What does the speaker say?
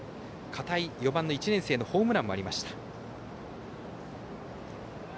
片井、４番の１年生のホームランもありました。